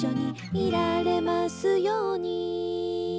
「いられますように」